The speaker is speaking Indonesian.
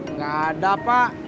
nggak ada pak